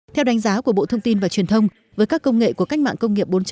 theo đánh giá của bộ thông tin và truyền thông với các công nghệ của cách mạng công nghiệp bốn